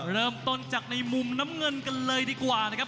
เริ่มต้นจากในมุมน้ำเงินกันเลยดีกว่านะครับ